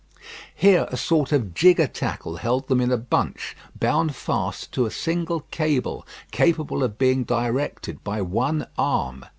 Here a sort of jigger tackle held them in a bunch bound fast to a single cable, capable of being directed by one arm.